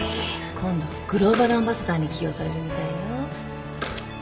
今度グローバルアンバサダーに起用されるみたいよ。